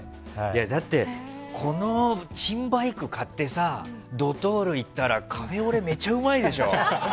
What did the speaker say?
だって、この「珍バイク」買ってさドトール行ったらカフェオレめっちゃうまいでしょ。